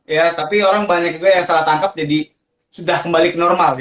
ya tapi orang banyak juga yang salah tangkap jadi sudah kembali ke normal